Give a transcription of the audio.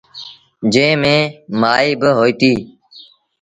جݩهݩ ميݩ مائيٚݩ با هوئيٚتيٚݩ۔